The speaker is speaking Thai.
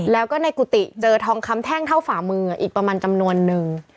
แล้วก็ในกุฏิเจอทองคำแท่งเท่าฝ่ามืออีกประมาณจำนวนนึง